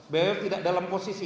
bwf tidak dalam posisi